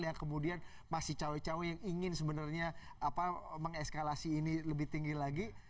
yang kemudian masih cawe cawe yang ingin sebenarnya mengeskalasi ini lebih tinggi lagi